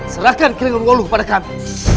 serahkan keliling walu kepada kami